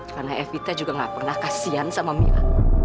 karena evita juga gak pernah kasihan sama mila